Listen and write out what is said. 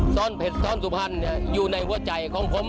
สอนเพชรสอนสุพรรณอยู่ในหัวใจของผม